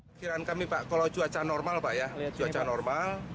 akhiran kami pak kalau cuaca normal pak ya cuaca normal